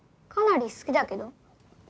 かなり好きだけど？